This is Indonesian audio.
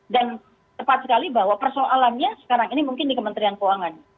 dan tepat sekali bahwa persoalannya sekarang ini mungkin di kementerian keuangan